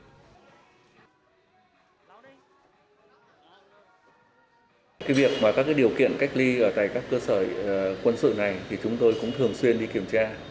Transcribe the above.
cái việc mà các điều kiện cách ly ở tại các cơ sở quân sự này thì chúng tôi cũng thường xuyên đi kiểm tra